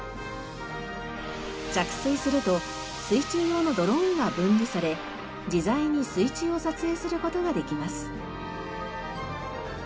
着水すると水中用のドローンが分離され自在に水中を撮影する事ができます。